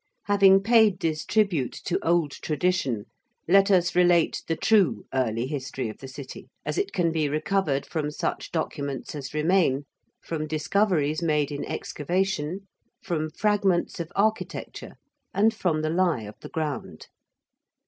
Having paid this tribute to old tradition, let us relate the true early history of the City, as it can be recovered from such documents as remain, from discoveries made in excavation, from fragments of architecture, and from the lie of the ground.